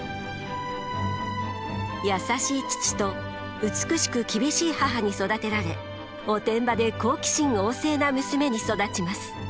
優しい父と美しく厳しい母に育てられおてんばで好奇心旺盛な娘に育ちます。